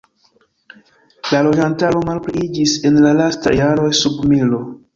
La loĝantaro malpliiĝis en la lastaj jaroj sub milo.